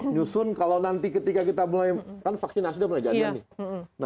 nyusun kalau nanti ketika kita mulai kan vaksinasi sudah mulai jadi nih